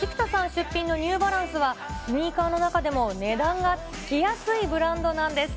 出品のニューバランスは、スニーカーの中でも値段がつきやすいブランドなんです。